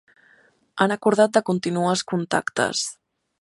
Han acordat de continuar els contactes.